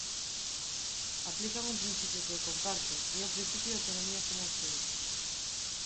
Aplican un principio que eu comparto, que é o principio de autonomía financeira.